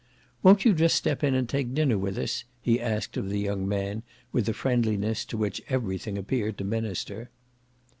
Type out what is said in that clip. "Won't you just step in and take dinner with us?" he asked of the young man with a friendliness to which everything appeared to minister.